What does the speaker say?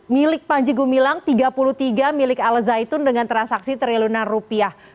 milik panji gumilang tiga puluh tiga milik al zaitun dengan transaksi triliunan rupiah